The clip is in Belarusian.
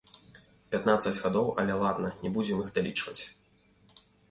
Пятнаццаць гадоў, але ладна, не будзем іх далічваць.